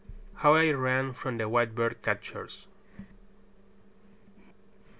HOW I RAN FROM THE WHITEBIRD CATCHERS.